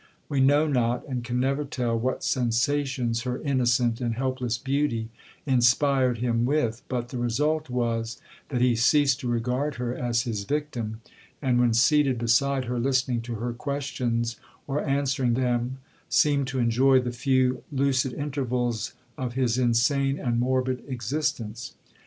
We know not, and can never tell, what sensations her innocent and helpless beauty inspired him with, but the result was, that he ceased to regard her as his victim; and, when seated beside her listening to her questions, or answering them, seemed to enjoy the few lucid intervals of his insane and morbid existence.